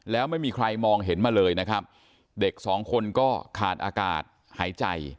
แล้วไม่มีใครมองเห็นมาเลยนะครับเด็กสองคนก็ขาดอากาศหายใจ